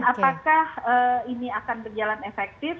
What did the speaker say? apakah ini akan berjalan efektif